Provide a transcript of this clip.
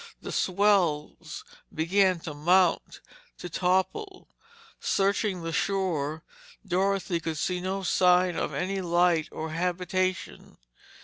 The swells began to mount, to topple. Searching the shore, Dorothy could see no sign of any light or habitation.